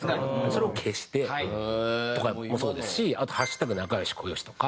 それを消してとかもそうですしあと「＃仲良しこよし」とか。